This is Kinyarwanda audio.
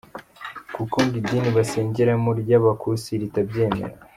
Kuko ngo idini basengeramo ry’Abakusi ritabyemera.